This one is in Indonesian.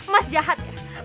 mas jahat ya